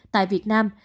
tại việt nam